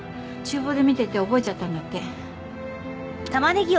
ちゅう房で見てて覚えちゃったんだって。